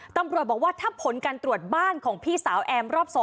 ตำรวจบอกว่าถ้าผลการตรวจบ้านของพี่สาวแอมรอบ๒